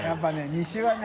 僂西はね